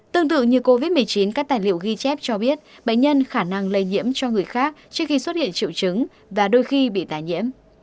tương tự như covid một mươi chín các tài liệu ghi chép cho biết bệnh nhân khả năng lây nhiễm cho người khác trước khi xuất hiện triệu chứng và đôi khi bị tài nhiễm